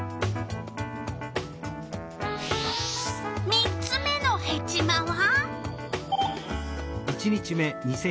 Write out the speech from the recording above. ３つ目のヘチマは？